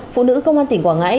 phụ nữ công an tỉnh quảng ngãi